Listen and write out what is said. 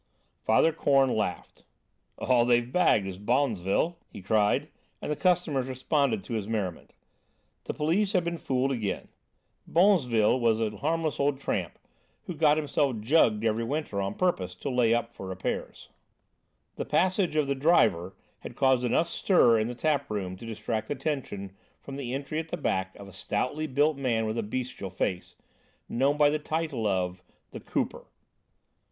Father Korn laughed. "All they've bagged is Bonzville!" he cried, and the customers responded to his merriment. The police had been fooled again. Bonzville was a harmless old tramp, who got himself "jugged" every winter on purpose to lay up for repairs. The passage of the "driver" had caused enough stir in the tap room to distract attention from the entry at the back of a stoutly built man with a bestial face, known by the title of "The Cooper."